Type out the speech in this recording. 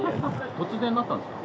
突然なったんですか？